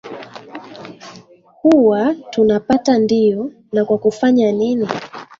huwa tunapata ndiyo na kwa kufanya nini